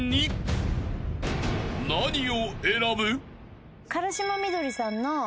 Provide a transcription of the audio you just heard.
［何を選ぶ？］